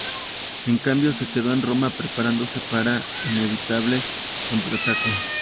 En cambio, se quedó en Roma preparándose para el inevitable contraataque.